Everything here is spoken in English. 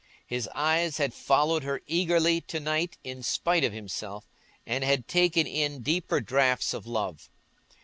His eyes had followed her eagerly to night in spite of himself, and had taken in deeper draughts of love.